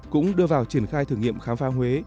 cũng đưa vào triển khai thử nghiệm khám phá huế